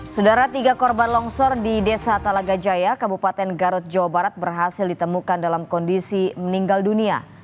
sudara tiga korban longsor di desa talaga jaya kabupaten garut jawa barat berhasil ditemukan dalam kondisi meninggal dunia